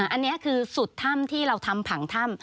อันนี้คือสุดถ้ำที่เราทำผังถ้ำ